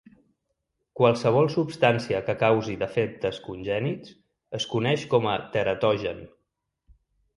Qualsevol substància que causi defectes congènits es coneix com a teratogen.